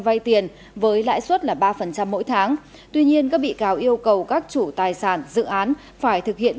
vay tiền với lãi suất là ba mỗi tháng tuy nhiên các bị cáo yêu cầu các chủ tài sản dự án phải thực hiện